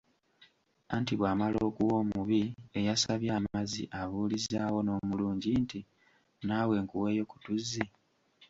Anti bw’amala okuwa omubi eyasabye amazzi abuulizaawo n’omulungi nti naawe nkuweeyo ku tuzzi?